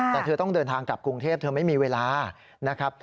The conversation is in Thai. แต่เธอต้องเดินทางกลับกรุงเทพเธอไม่มีเวลานะครับ